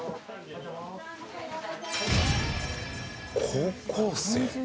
高校生？